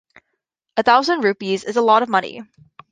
A thousand rupees is a lot of money.